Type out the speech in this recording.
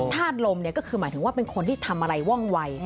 ธาตุลมเนี่ยก็คือหมายถึงว่าเป็นคนที่ทำอะไรว่องวัย